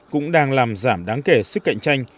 cũng đang làm giảm đáng kể sức cạnh tranh